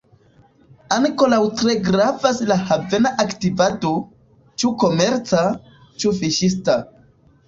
Ankoraŭ tre gravas la havena aktivado, ĉu komerca, ĉu fiŝista.